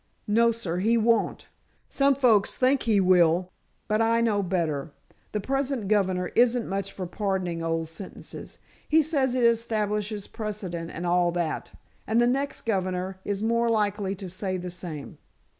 "No, sir, he won't. Some folks think he will, but I know better. The present governor isn't much for pardoning old sentences—he says it establishes precedent and all that. And the next governor is more than likely to say the same."